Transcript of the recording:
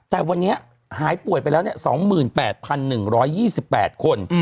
แต่วันนี้หายป่วยไปแล้ว๒๘๑๒๘คน